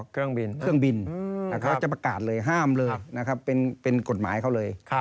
เครื่องบินเขาจะประกาศเลยห้ามเลยนะครับเป็นกฎหมายเขาเลย